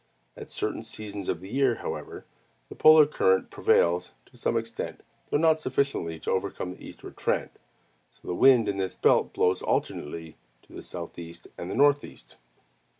At certain seasons of the year, however, the polar current prevails to some extent, though not sufficiently to overcome the eastward trend; so the wind in this belt blows alternately to the southeast and the northeast.